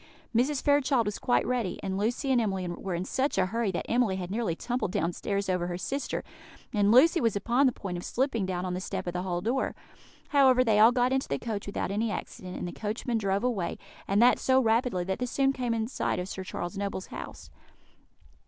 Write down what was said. Mrs. Fairchild was quite ready; and Lucy and Emily were in such a hurry that Emily had nearly tumbled downstairs over her sister, and Lucy was upon the point of slipping down on the step of the hall door; however, they all got into the coach without any accident, and the coachman drove away, and that so rapidly that they soon came in sight of Sir Charles Noble's house.